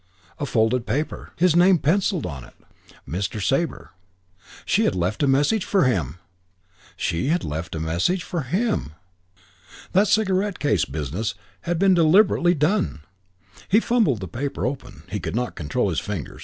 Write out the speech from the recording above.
A folded paper. His name pencilled on it: Mr. Sabre. She had left a message for him! She had left a message for him! That cigarette case business had been deliberately done! He fumbled the paper open. He could not control his fingers.